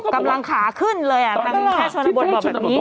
กำลังขาขึ้นเลยแพทย์ชนบทบอกแบบนี้